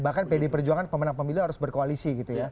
bahkan pd perjuangan pemenang pemilu harus berkoalisi gitu ya